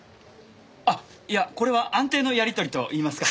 あっいやこれは安定のやり取りといいますか。